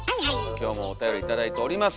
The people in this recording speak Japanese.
今日もおたより頂いております。